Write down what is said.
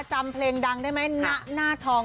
จำเพลงดังได้ไหมณหน้าทอง